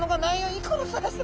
いくら探してもない。